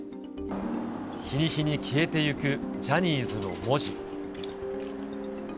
日に日に消えていくジャニーズの文字。